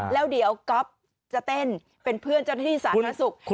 แล้วเดี๋ยวก๊อฟจะเต้นเป็นเพื่อนเจ้าหน้าที่สาธารณสุข